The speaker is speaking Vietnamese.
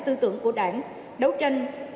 tư tưởng của đảng đấu tranh